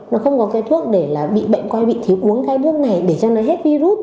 nó không có cái thuốc để là bị bệnh quay bị thiếu uống cái thuốc này để cho nó hết virus